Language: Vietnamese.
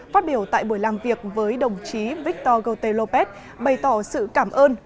phát biểu tại buổi làm việc với đồng chí victor gautel lopez bày tỏ sự cảm ơn